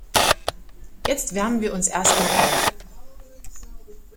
Jetzt wärmen wir uns erstmal auf.